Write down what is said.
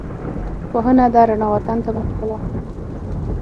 پوهنه ده رڼا، وطن ته مو ښکلا